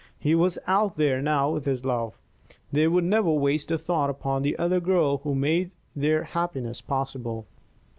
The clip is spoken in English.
He was out there now with his love. They would never waste a thought upon that other girl who had made their happiness possible.